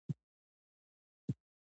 راغلل او زموږ مخې ته تېر شول.